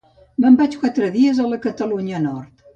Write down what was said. Me'n vaig quatre dies a la Catalunya nord